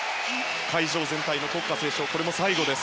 会場全体の国歌斉唱もこれも最後です。